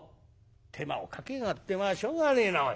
手間をかけやがってまあしょうがねえなおい。